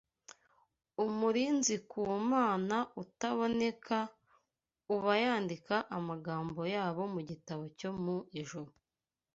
Umurinzi ku munara utaboneka, uba yandika amagambo yabo mu gitabo cyo mu ijuru